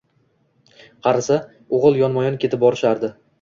Qarasa, o‘g‘li yonma-yon ketib borishardi.